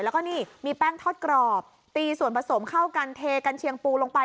แล้วก็นี่มีแป้งทอดกรอบตีส่วนผสมเข้ากันเทกันเชียงปูลงไป